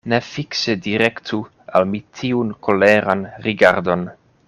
Ne fikse direktu al mi tiun koleran rigardon.